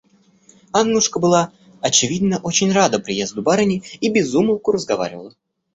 Аннушка была, очевидно, очень рада приезду барыни и без умолку разговаривала.